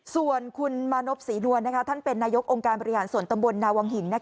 ส่วนคุณมานพศรีนวลท่านเป็นนายกองค์การบริหารส่วนตำบลนาวังหิน